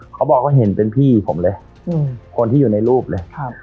เขาบอกว่าเห็นเป็นพี่ผมเลยคนที่อยู่ในรูปเลย